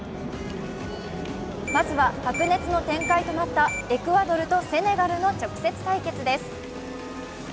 まずは白熱の展開となったエクアドルとセネガルの直接対決です。